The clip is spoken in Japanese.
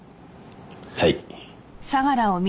はい。